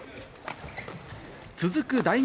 続く第２